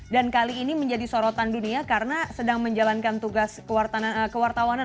dan kali ini menjadi sorotan dunia karena sedang menjalankan tugas kewartawanan